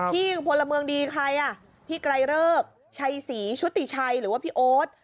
พี่พลเมืองดีใครอ่ะพี่ไกรเริกชัยศรีชุติชัยหรือว่าพี่โอ๊ต